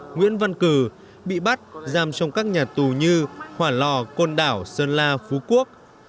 nguyễn văn cử bị bắt giam trong các nhà tù như hỏa lò côn đảo sơn la phú quốc